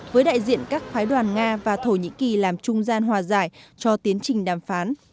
với đại diện các phái đoàn nga và thổ nhĩ kỳ làm trung gian hòa giải cho tiến trình đàm phán